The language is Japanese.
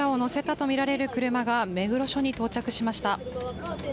猿之助容疑者を乗せたとみられる車が目黒署に到着しました。